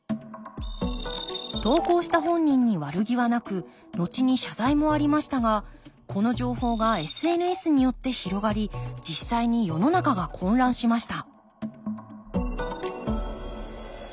投稿した本人に悪気はなくのちに謝罪もありましたがこの情報がＳＮＳによって広がり実際に世の中が混乱しました